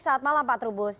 selamat malam pak trubus